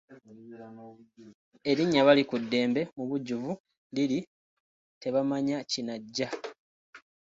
Erinnya Balikuddembe mubujjuvu liri Tebamanya kinajja.